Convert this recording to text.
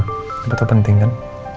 gak terpenting kan